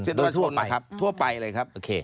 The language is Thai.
สิทธิ์ประชาชนนะครับทั่วไปเลยครับ